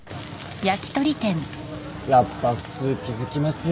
やっぱ普通気付きますよね。